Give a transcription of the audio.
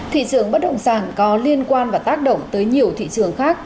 thị trường bất động sản có liên quan và tác động tới nhiều thị trường khác